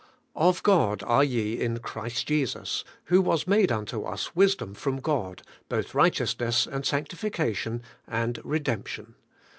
'Of God are ye in Christ Jesus, who was made unto us wisdom from God, both righteousness and sanctification, and REDEMPTION.